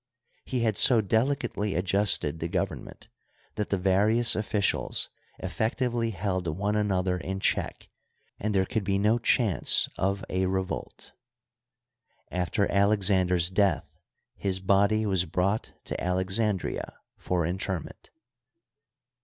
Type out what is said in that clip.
He had so delicately adjusted the government that the various officials effectively held one another in check, and there could be no chance of a revolt After Alexander's death his body was brought to Alexandria for interment.